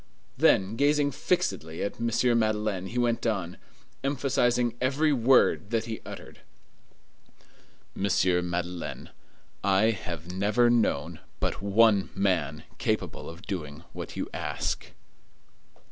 Then, gazing fixedly at M. Madeleine, he went on, emphasizing every word that he uttered:— "Monsieur Madeleine, I have never known but one man capable of doing what you ask."